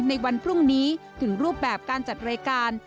ในวันพรุ่งนี้ถึงรูปแบบการจัดรายการ